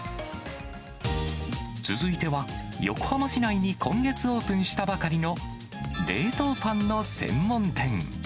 続いては、横浜市内に今月オープンしたばかりの冷凍パンの専門店。